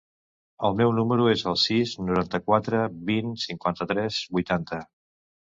El meu número es el sis, noranta-quatre, vint, cinquanta-tres, vuitanta.